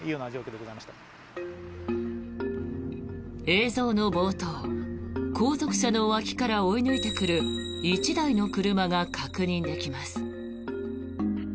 映像の冒頭、後続車の脇から追い抜いてくる１台の車が確認できます。